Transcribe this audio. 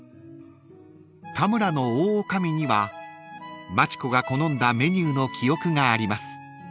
［田村の大女将には町子が好んだメニューの記憶があります］